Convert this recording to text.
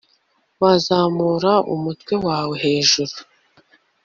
Wazamura umutwe wawe hejuru